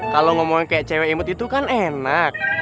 kalau ngomongin kayak cewek imut itu kan enak